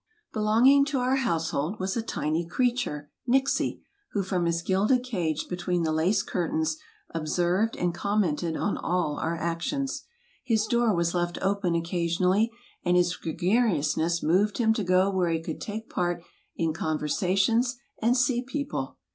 Belonging to our household was a tiny creature, Nixie, who from his gilded cage between the lace curtains observed and commented on all our actions. His door was left open occasionally, and his gregariousness moved him to go where he could take part in conversations and see people.